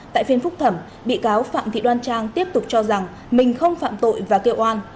tại phiên phúc thẩm bị cáo phạm thị đoan trang tiếp tục cho rằng mình không phạm tội và kêu oan